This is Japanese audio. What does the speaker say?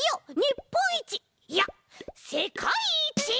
いやせかいいち！